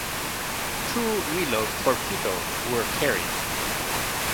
Two reload torpedoes were carried.